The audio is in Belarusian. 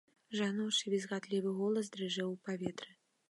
Жаночы візгатлівы голас дрыжэў у паветры.